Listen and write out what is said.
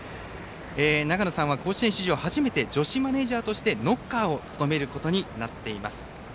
永野さんは甲子園史上初めて女子マネージャーとしてノッカーを務めます。